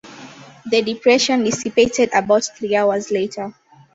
The depression dissipated about three hours later.